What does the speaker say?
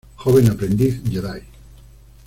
Joven aprendiz Jedi.